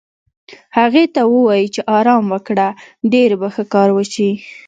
هغې ته ووایې چې ارام وکړه، ډېر به ښه کار وشي.